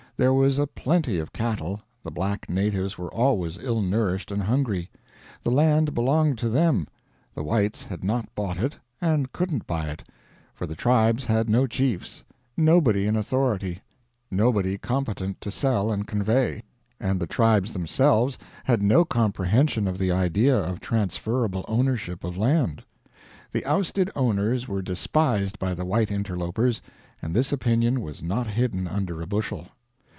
There was a plenty of cattle, the black natives were always ill nourished and hungry. The land belonged to them. The whites had not bought it, and couldn't buy it; for the tribes had no chiefs, nobody in authority, nobody competent to sell and convey; and the tribes themselves had no comprehension of the idea of transferable ownership of land. The ousted owners were despised by the white interlopers, and this opinion was not hidden under a bushel.